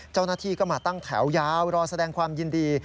เจ้าหน้าที่ก็มาตั้งแถวยาวรอแสดงความยินดี